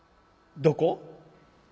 「どこ？」。